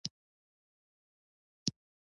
د فساد لمن دومره خوره ده.